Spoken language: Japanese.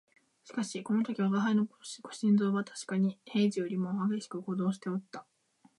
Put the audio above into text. しかしこの時吾輩の心臓はたしかに平時よりも烈しく鼓動しておった